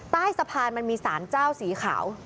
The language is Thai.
ใต้สะพานมันมีสารเจ้าสีขาว